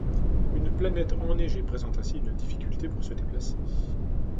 Une planète enneigée présente ainsi une difficulté pour se déplacer.